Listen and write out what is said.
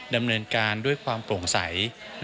ดำเนินการด้วยความโปร่งใส